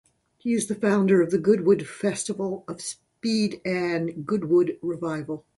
He is the founder of the Goodwood Festival of Speed and the Goodwood Revival.